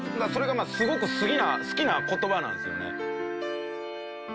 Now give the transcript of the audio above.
すごく好きな言葉なんですよね。